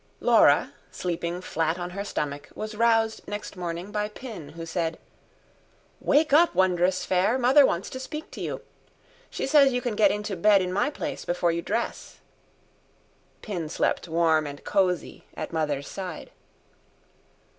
Laura, sleeping flat on her stomach, was roused next morning by Pin who said: "Wake up, Wondrous Fair, mother wants to speak to you. She says you can get into bed in my place, before you dress." Pin slept warm and cosy at Mother's side.